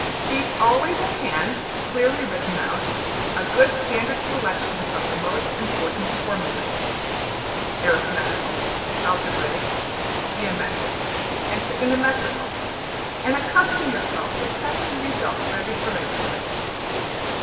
Keep always at hand, clearly written out, a good standard selection of the most important formul\ae{} Arithmetical, Algebraic, Geometric, and Trigonometrical, and accustom yourself to test your results by referring to it.